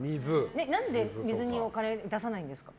何で水にお金を出さないんですか？